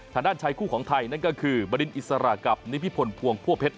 ชายคู่ของไทยนั่นก็คือบรินอิสระกับนิพิพลพวงพั่วเพชร